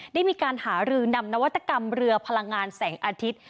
ได้มีการหารือนำนวัตกรรมเรือพลังงานแสงอาทิตย์